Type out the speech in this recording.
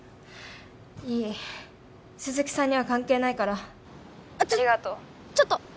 いい鈴木さんには関係ないからあっちょっちょっと！